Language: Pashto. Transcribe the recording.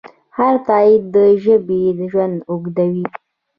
هر تایید د ژبې ژوند اوږدوي.